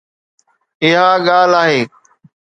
اها ڳالهه آهي.